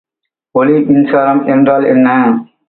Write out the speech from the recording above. ஒளிமின்சாரம் என்றால் என்ன?